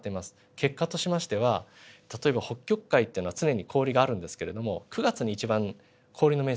結果としましては例えば北極海っていうのは常に氷があるんですけれども９月に一番氷の面積